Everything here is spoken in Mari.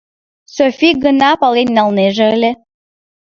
Софи гына пален налнеже ыле: